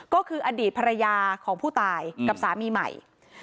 ก็คืออดีตภรรยาของผู้ตายกับสามีใหม่